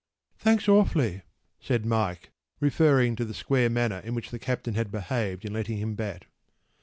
p> “Thanks awfully,” said Mike, referring to the square manner in which the captain had behaved in letting him bat.